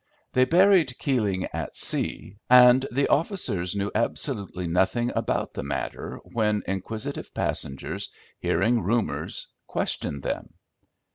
They buried Keeling at sea, and the officers knew absolutely nothing about the matter when inquisitive passengers, hearing rumours, questioned them.